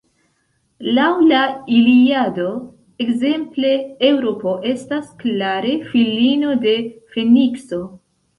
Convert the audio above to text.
Laŭ la Iliado, ekzemple, Eŭropo estas klare filino de Fenikso.